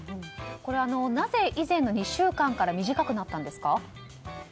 これは、なぜ以前の２週間から短くなったんですか？